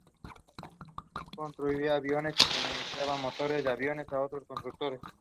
Construía aviones y suministraba motores de aviación a otros constructores.